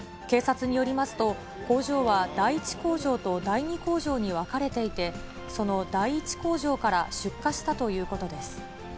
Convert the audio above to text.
警察によりますと、工場は第一工場と第二工場に分かれていて、その第一工場から出火したということです。